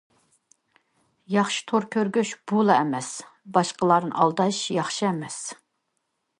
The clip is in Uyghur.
ياخشى تور كۆرگۈچ بۇلا ئەمەس، باشقىلار ئالداش ياخشى ئەمەس.